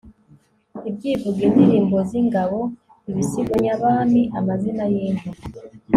ibyivugo, indirimbo z'ingabo, ibisigo nyabami, amazina y'inka